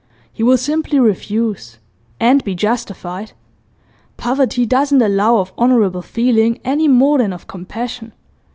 'He will simply refuse and be justified. Poverty doesn't allow of honourable feeling, any more than of compassion.